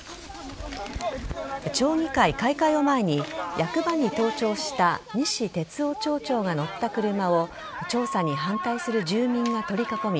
町議会開会を前に役場に登庁した西哲夫町長が乗った車を調査に反対する住民が取り囲み